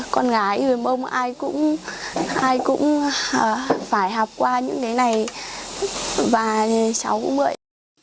con gái người mông ai cũng phải học qua những cái này và cháu cũng vậy